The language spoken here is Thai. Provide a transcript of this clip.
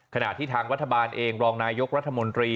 ขณะที่ทางรัฐบาลเองรองนายกรัฐมนตรี